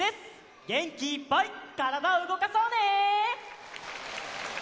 げんきいっぱいからだをうごかそうね！